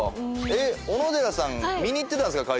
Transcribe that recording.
えっ小野寺さん見に行ってたんですか会場に。